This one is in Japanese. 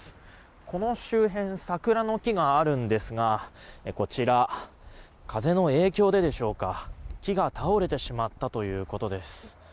この周辺、桜の木があるんですがこちら、風の影響ででしょうか木が倒れてしまったということです。